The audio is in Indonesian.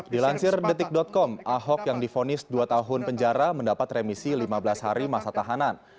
dilansir detik com ahok yang difonis dua tahun penjara mendapat remisi lima belas hari masa tahanan